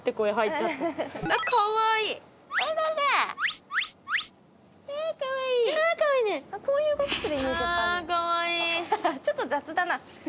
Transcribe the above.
ちょっと雑だな。